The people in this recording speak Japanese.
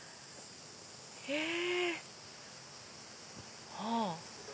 へぇ。